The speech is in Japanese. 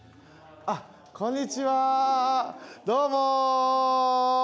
こんにちはどうも！